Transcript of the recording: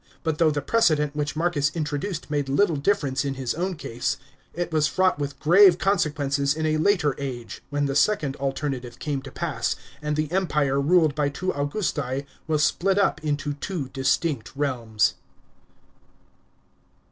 But though the precedent which Marcus introduced made little difference in his own case, it was fraught with grave consequences in a later age,* when the second alternative came to pass, and the Empire ruled by two Augusti was split up into two distinct realms.